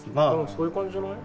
・そういう感じじゃない？